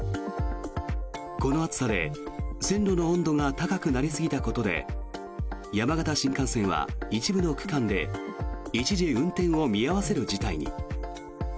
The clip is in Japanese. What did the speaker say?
この暑さで線路の温度が高くなりすぎたことで山形新幹線は一部の区間で一時、運転を見合わせる事態に。